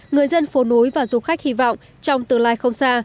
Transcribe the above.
người dân phố núi và du khách hy vọng trong tương lai không xa